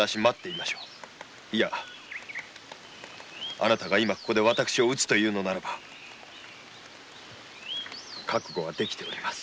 あなたが今ここで私を討つと言われるなら覚悟はできています。